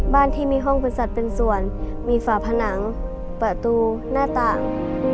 บ้านที่มีห้องบริษัทเป็นส่วนมีฝาผนังประตูหน้าต่าง